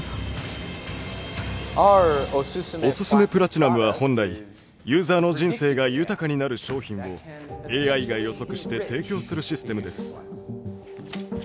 おすすめプラチナムは本来ユーザーの人生が豊かになる商品をＡＩが予測して提供するシステムです。